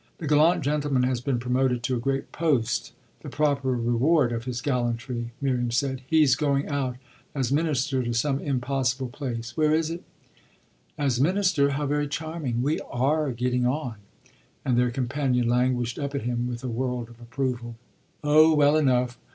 "The gallant gentleman has been promoted to a great post the proper reward of his gallantry," Miriam said. "He's going out as minister to some impossible place where is it?" "As minister how very charming! We are getting on." And their companion languished up at him with a world of approval. "Oh well enough.